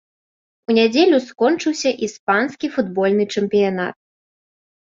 У нядзелю скончыўся іспанскі футбольны чэмпіянат.